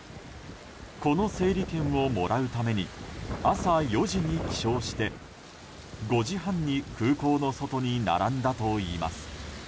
この整理券をもらうために朝４時に起床して５時半に空港の外に並んだといいます。